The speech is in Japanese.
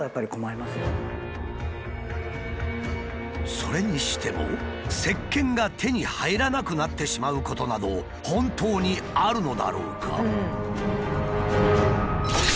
それにしてもせっけんが手に入らなくなってしまうことなど本当にあるのだろうか？